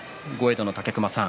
道の武隈さん